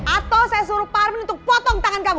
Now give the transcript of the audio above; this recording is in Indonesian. atau saya suruh parmin untuk potong tangan kamu